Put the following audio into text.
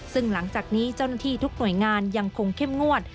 ซึ่งหลังจากนี้เจ้าหน้าที่ทุกหน่วยงานยังคงเข้มงวด